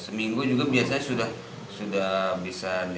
seminggu juga biasanya sudah bisa jalan lagi